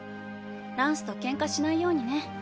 ランスとケンカしないようにね。